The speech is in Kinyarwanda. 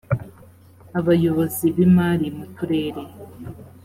abayobozi b’imari mu turere